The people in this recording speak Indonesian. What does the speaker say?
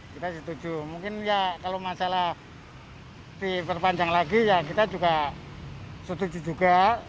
kita setuju mungkin ya kalau masalah diperpanjang lagi ya kita juga setuju juga